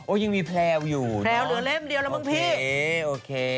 โอ้ยังมีแพรวอยู่โอเคโอเค